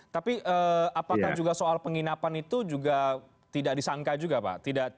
tapi apakah juga soal penginapan itu juga tidak disangka juga pak